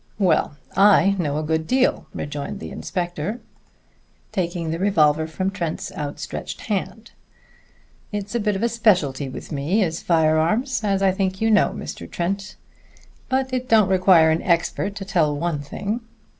"Well, I know a good deal," rejoined the inspector quietly, taking the revolver from Trent's outstretched hand. "It's a bit of a specialty with me, is firearms, as I think you know, Mr. Trent. But it don't require an expert to tell one thing."